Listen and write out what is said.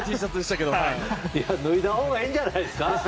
脱いだほうがいいんじゃないですか？